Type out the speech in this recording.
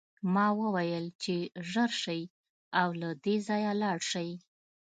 ما وویل چې ژر شئ او له دې ځایه لاړ شئ